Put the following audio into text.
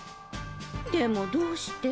でもどうして？